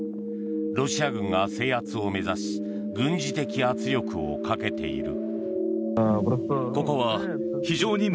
ロシア軍が制圧を目指し軍事的圧力をかけている。